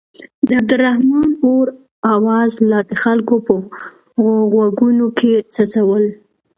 د عبدالرحمن اور اواز لا د خلکو په غوږونو کې څڅول.